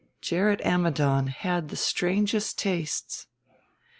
Gerrit Ammidon had the strangest tastes!